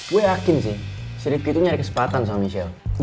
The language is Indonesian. gue yakin sih sedikit itu nyari kesempatan sama michelle